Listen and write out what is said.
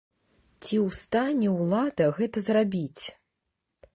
Ці ў стане ўлада гэта зрабіць?